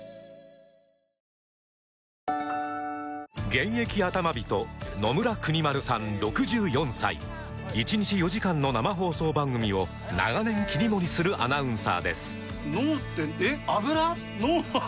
現役アタマ人野村邦丸さん６４歳１日４時間の生放送番組を長年切り盛りするアナウンサーです